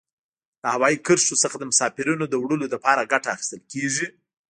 له هوایي کرښو څخه د مسافرینو د وړلو لپاره ګټه اخیستل کیږي.